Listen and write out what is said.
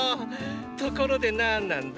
ところで何なんだ？